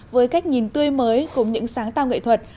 với cách nhìn tươi mới cùng những sáng tạo nghệ thuật